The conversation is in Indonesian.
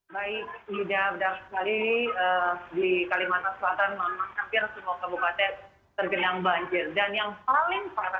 baik sudah berdampak sekali di kalimantan selatan